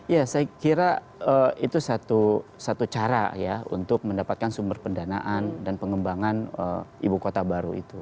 ya saya kira itu satu cara ya untuk mendapatkan sumber pendanaan dan pengembangan ibu kota baru itu